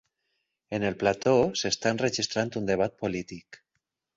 En el plató s'està enregistrant un debat polític.